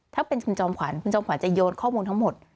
ถ้าเป็นคุณจอมขวัญคุณจอมขวัญจะโยนข้อมูลทั้งหมด